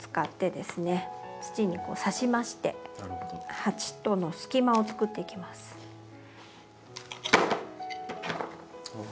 土にさしまして鉢との隙間をつくっていきます。